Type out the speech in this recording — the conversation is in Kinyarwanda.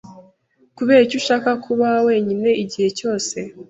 kuberiki ushaka kuba wenyine igihe cyose?